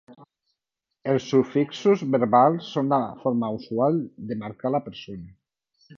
Els sufixos verbals són la forma usual de marcar la persona.